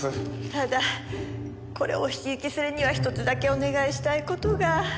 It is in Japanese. ただこれをお引き受けするにはひとつだけお願いしたい事が。